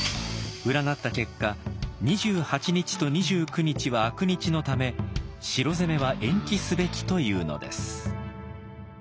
占った結果２８日と２９日は悪日のため城攻めは延期すべきというのです。